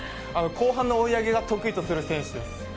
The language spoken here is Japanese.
後半の追い上げを得意とする選手です。